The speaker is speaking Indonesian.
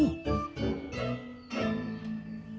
sampai jumpa lagi